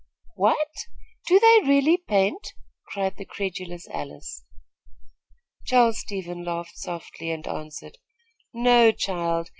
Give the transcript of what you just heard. "What! Do they really paint?" cried the credulous Alice. Charles Stevens laughed softly and answered: "No, child.